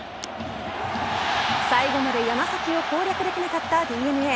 最後まで山崎を攻略できなかったＤｅＮＡ。